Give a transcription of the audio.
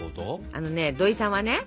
あのね土井さんはね